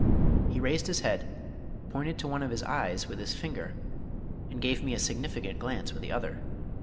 He raised his head, pointed to one of his eyes with his finger, and gave me a significant glance with the other.